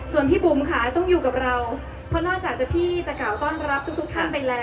ส่วนพี่บุ๋มค่ะต้องอยู่กับเราเพราะนอกจากจะพี่จะกล่าวต้อนรับทุกท่านไปแล้ว